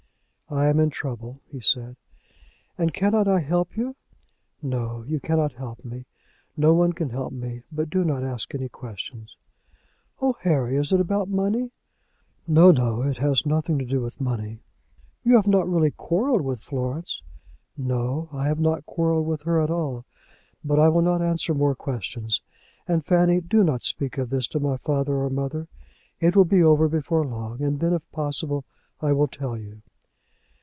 "I am in trouble," he said. "And cannot I help you?" "No; you cannot help me. No one can help me. But do not ask any questions." "Oh, Harry! is it about money?" "No, no; it has nothing to do with money." "You have not really quarrelled with Florence?" "No; I have not quarrelled with her at all. But I will not answer more questions. And, Fanny, do not speak of this to my father or mother. It will be over before long, and then, if possible, I will tell you."